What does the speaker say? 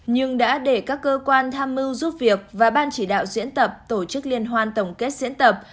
nhưng đã để các cơ quan tham mưu giúp việc và ban chỉ đạo diễn tập tổ chức liên hoan tổng kết diễn tập